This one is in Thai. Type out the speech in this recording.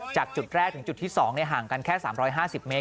จากจุดแรกถึงจุดที่๒ห่างกันแค่๓๕๐เมตร